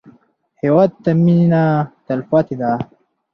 هېواد ته مېنه تلپاتې ده